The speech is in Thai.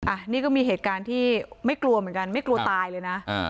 อันนี้ก็มีเหตุการณ์ที่ไม่กลัวเหมือนกันไม่กลัวตายเลยนะ